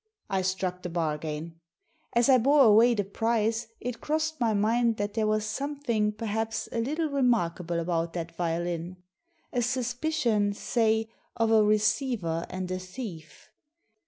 I struck the bargain. As I bore away the prize it crossed my mind that there was something perhaps a little remarkable about that violin. A suspicion, say, of a receiver and a thief.